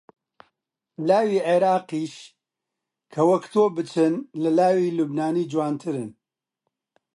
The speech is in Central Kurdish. لاوی عێراقیش کە وەک تۆ بچن، لە لاوی لوبنانی جوانترن